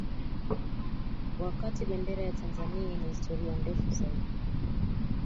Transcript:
Wakati Bendera ya Tanzania ina historia ndefu zaidi